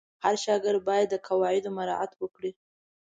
هر شاګرد باید د قواعدو مراعت وکړي.